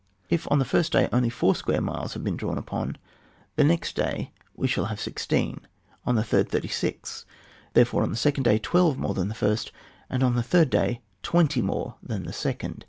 If on the first day only four square Iniles hav« been drawn upon, on the neict day we shall have sixteen, on the third, thirty six; therefore on the second day twelve more than on the first, and on the third day twenty more than on the second.